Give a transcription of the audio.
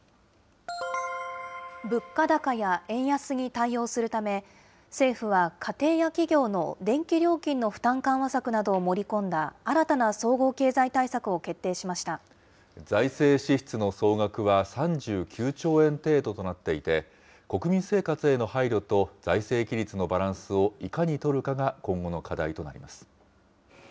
物価高や円安に対応するため、政府は家庭や企業の電気料金の負担緩和策などを盛り込んだ新たな財政支出の総額は３９兆円程度となっていて、国民生活への配慮と財政規律のバランスをいかに取るかが今後の課題となります。